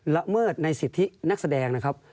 ละเมิดในสิทธินักแสดงนะครับ